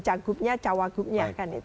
cagupnya cawagupnya kan itu